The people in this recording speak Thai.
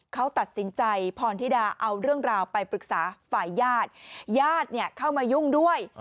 เขาตัดสินใจพรธิดาเอาเรื่องราวไปปรึกษาฝ่ายญาติญาติเข้ามายุ่งด้วย